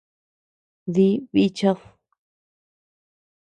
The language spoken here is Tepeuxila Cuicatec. Dí bíchad.